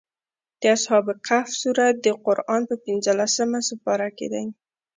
د اصحاب کهف سورت د قران په پنځلسمه سېپاره کې دی.